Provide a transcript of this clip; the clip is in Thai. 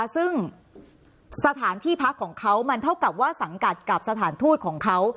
ซึ่งสถานที่พักของเขามันเท่ากับว่าสังกัดกับสถานทูตของเขา